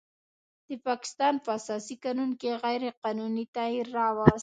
د پاکستان په اساسي قانون کې غیر قانوني تغیر راوست